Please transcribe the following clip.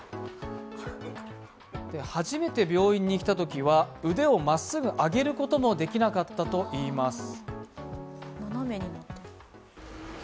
初めて病院に来たときは腕をまっすぐ上げることもできなかったといいます。